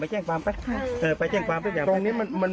ไปเชี่ยงความไปเออไปเชี่ยงความทุกอย่างตรงนี้มันมัน